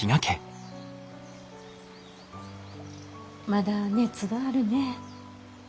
まだ熱があるね。